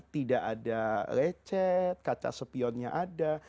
tidak ada lecet kaca sepionnya ada